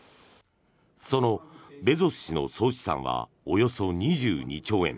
そのベゾス氏の総資産はおよそ２２兆円。